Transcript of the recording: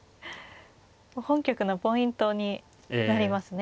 本局のポイントになりますね